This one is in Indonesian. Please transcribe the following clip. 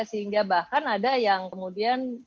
sehingga bahkan ada yang kemudian